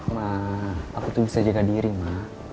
ma aku tuh bisa jaga diri ma